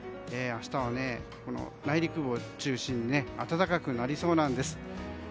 明日は内陸部を中心に暖かくなりそうなんです。